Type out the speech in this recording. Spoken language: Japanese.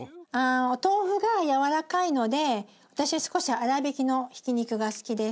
お豆腐が軟らかいので私は少し粗びきのひき肉が好きです。